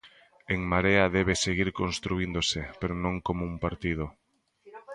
En Marea debe seguir construíndose, pero non como un partido.